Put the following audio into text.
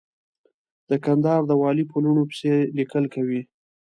د کندهار د والي په لوڼو پسې ليکل کوي.